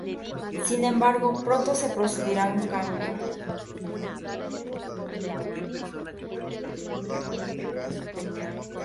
Sin embargo, pronto se produciría un cambio.